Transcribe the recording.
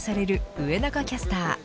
上中キャスター。